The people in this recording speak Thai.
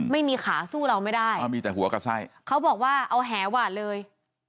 ไม่มีขาสู้เราไม่ได้เขามีแต่หัวกับไส้เขาบอกว่าเอาแหหวานเลย